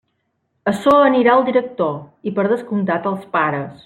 Açò anirà al director i per descomptat als pares.